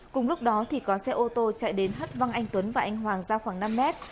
cùng lúc đó thì có xe ô tô chạy đến hất văng anh tuấn và anh hoàng ra khoảng năm mét